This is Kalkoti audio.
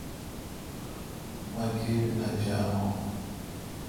مہ گیبی نہ جانون